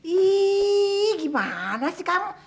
ih gimana sih kamu